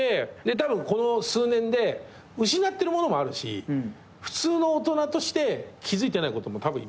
たぶんこの数年で失ってるものもあるし普通の大人として気付いてないこともたぶんある。